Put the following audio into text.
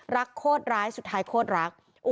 โคตรร้ายสุดท้ายโคตรรัก